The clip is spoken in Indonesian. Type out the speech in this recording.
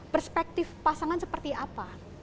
perspektif pasangan seperti apa